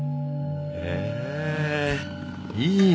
へえいいねえ。